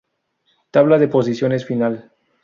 Tabla de posiciones final.